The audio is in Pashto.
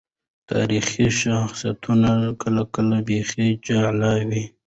تاريخي شخصيتونه کله کله بيخي جعلي وي.